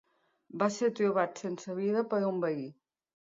Va ser trobat sense vida per un veí.